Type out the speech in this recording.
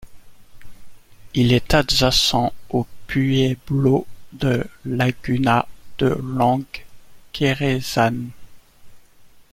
Il est adjacent au pueblo de Laguna de langue Keresan.